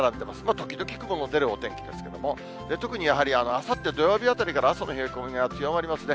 時々雲の出るお天気ですけれども、特にやはり、あさって土曜日あたりから朝の冷え込みが強まりますね。